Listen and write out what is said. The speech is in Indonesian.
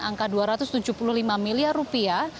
angka dua ratus tujuh puluh lima miliar rupiah